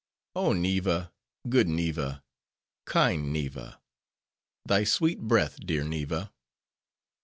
"Oh Neeva! good Neeva! kind Neeva! thy sweet breath, dear Neeva!"